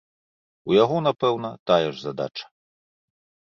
У яго, напэўна, тая ж задача.